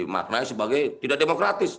maknanya sebagai tidak demokratis